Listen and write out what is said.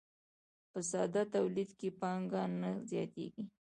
په ساده تولید کې پانګه نه زیاتېږي